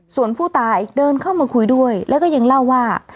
ส่วนผู้ตายเดินเข้ามาคุยด้วยแล้วก็ยังเล่าว่า